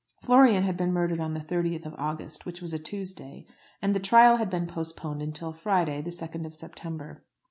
Florian had been murdered on the 30th of August, which was a Tuesday, and the trial had been postponed until Friday, the 2nd of September.